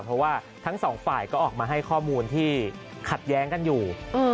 เพราะว่าทั้งสองฝ่ายก็ออกมาให้ข้อมูลที่ขัดแย้งกันอยู่